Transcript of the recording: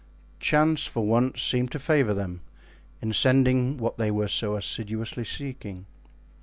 Chance for once seemed to favor them in sending what they were so assiduously seeking.